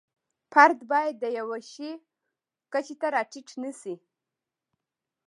فرد باید د یوه شي کچې ته را ټیټ نشي.